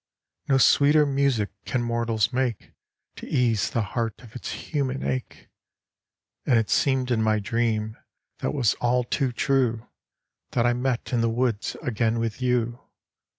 No sweeter music can mortals make To ease the heart of its human ache! And it seemed in my dream, that was all too true, That I met in the woods again with you.